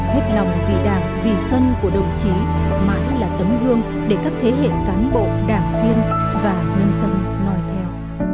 hết lòng vì đảng vì dân của đồng chí mãi là tấm gương để các thế hệ cán bộ đảng viên và nhân dân nói theo